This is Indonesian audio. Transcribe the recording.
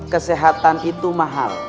kesehatan itu mahal